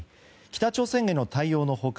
北朝鮮への対応の他